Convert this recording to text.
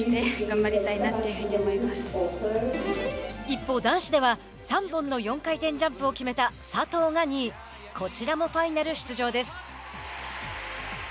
一方、男子では３本の４回転ジャンプを決めた佐藤が２位こちらもファイナル出場です。